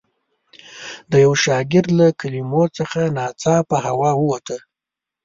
د یوه شاګرد له کلمو څخه ناڅاپه هوا ووته.